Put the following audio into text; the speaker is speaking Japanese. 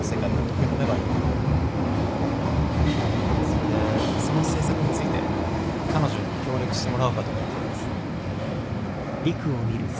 それでその制作について彼女に協力してもらおうかと思ってるんです。